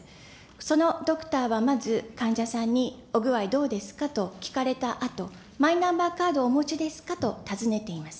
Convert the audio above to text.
そのドクターはまず、患者さんにお具合どうですかと聞かれたあと、マイナンバーカードをお持ちですかと尋ねておられます。